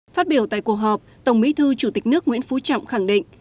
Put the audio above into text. phát biểu tại cuộc họp tổng bí thư chủ tịch nước nguyễn phú trọng khẳng định